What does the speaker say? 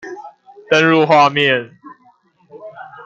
登入畫面